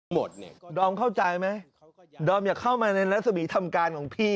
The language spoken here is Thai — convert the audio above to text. หมดนี่ดอมเข้าใจไหมดอมอยากเข้ามาในรัศวิทธรรมการของพี่น่ะ